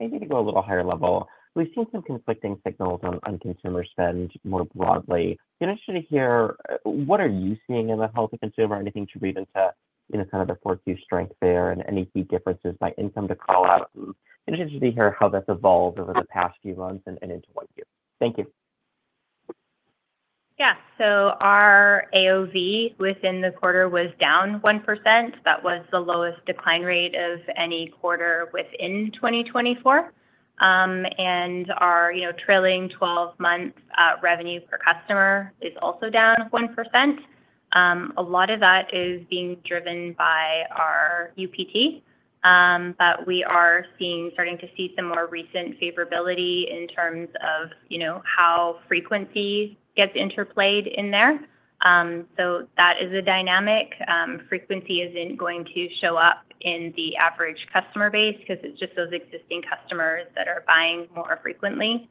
Maybe to go a little higher level, we've seen some conflicting signals on consumer spend more broadly. Interested to hear what are you seeing in the healthy consumer? Anything to read into kind of the Q4 strength there and any key differences by income to call out? Interested to hear how that's evolved over the past few months and into one year. Thank you. Yeah. So our AOV within the quarter was down 1%. That was the lowest decline rate of any quarter within 2024. And our trailing 12-month revenue per customer is also down 1%. A lot of that is being driven by our UPT, but we are starting to see some more recent favorability in terms of how frequency gets interplayed in there. That is a dynamic. Frequency isn't going to show up in the average customer base because it's just those existing customers that are buying more frequently.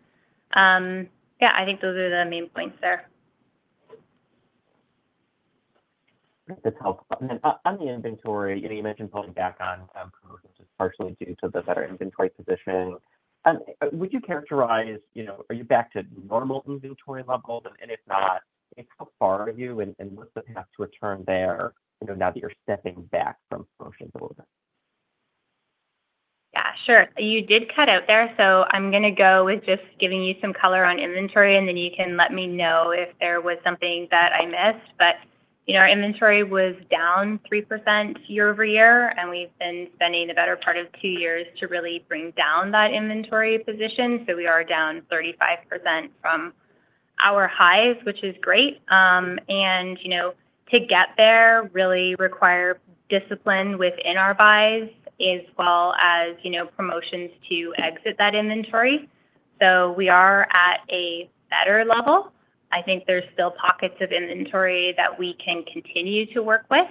Yeah, I think those are the main points there. That's helpful. On the inventory, you mentioned pulling back on promotions is partially due to the better inventory position. Would you characterize—are you back to normal inventory level? If not, how far are you, and what is the path to return there now that you are stepping back from promotions a little bit? Yeah, sure. You did cut out there. I am going to go with just giving you some color on inventory, and then you can let me know if there was something that I missed. Our inventory was down 3% year-over-year, and we have been spending the better part of two years to really bring down that inventory position. We are down 35% from our highs, which is great. To get there really requires discipline within our buys as well as promotions to exit that inventory. We are at a better level. I think there's still pockets of inventory that we can continue to work with,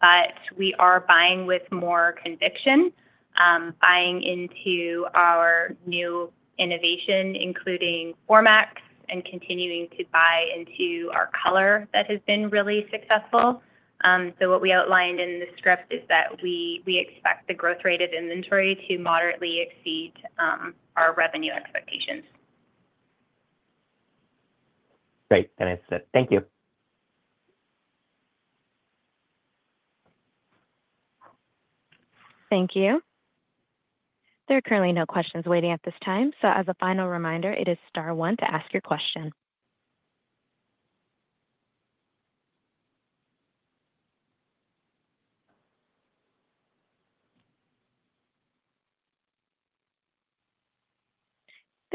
but we are buying with more conviction, buying into our new innovation, including formats, and continuing to buy into our color that has been really successful. What we outlined in the script is that we expect the growth rate of inventory to moderately exceed our revenue expectations. Great. Thank you. Thank you. There are currently no questions waiting at this time. As a final reminder, it is star one to ask your question.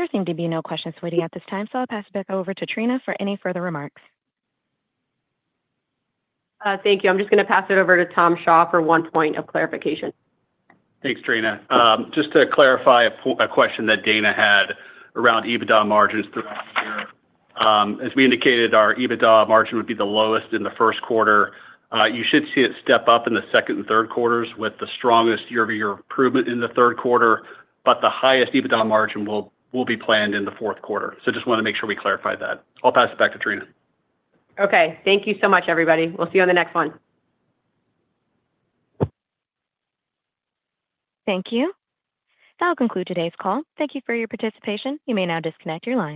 There seem to be no questions waiting at this time, so I'll pass it back over to Trina for any further remarks. Thank you. I'm just going to pass it over to Tom Shaw for one point of clarification. Thanks, Trina. Just to clarify a question that Dana had around EBITDA margins throughout the year. As we indicated, our EBITDA margin would be the lowest in the first quarter. You should see it step up in the second and third quarters with the strongest year-over-year improvement in the third quarter, but the highest EBITDA margin will be planned in the fourth quarter. Just wanted to make sure we clarify that. I'll pass it back to Trina. Okay. Thank you so much, everybody. We'll see you on the next one. Thank you. That'll conclude today's call. Thank you for your participation. You may now disconnect your line.